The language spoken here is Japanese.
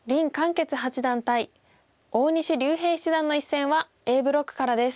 傑八段対大西竜平七段の一戦はＡブロックからです。